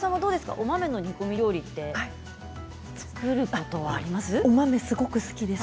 お豆の煮込み料理は作ることはあります？